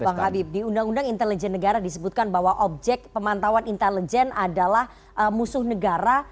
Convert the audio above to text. bang habib di undang undang intelijen negara disebutkan bahwa objek pemantauan intelijen adalah musuh negara